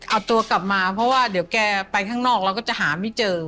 เอาตัวกลับมาเพราะว่าเดี๋ยวแกไปข้างนอกเราก็จะหาไม่เจอ